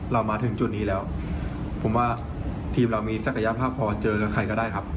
มาถึงจุดนี้แล้วผมว่าทีมเรามีศักยภาพพอเจอกับใครก็ได้ครับ